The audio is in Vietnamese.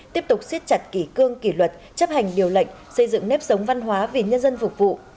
tiếp tục xiết chặt kỷ cương kỷ luật chấp hành điều lệnh xây dựng nếp sống văn hóa vì nhân dân phục vụ